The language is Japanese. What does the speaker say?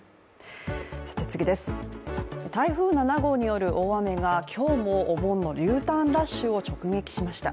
台風７号による大雨が、今日もお盆のＵターンラッシュを直撃しました。